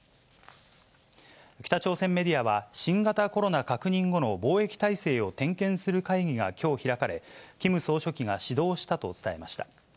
北朝鮮メディアは、新型コロナ確認後の防疫体制を点検する会議がきょう開かれ、キム総書記が指導したと伝えました。